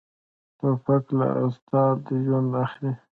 توپک له استاد ژوند اخلي.